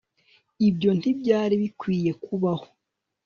ibyo ntibyari bikwiye kubaho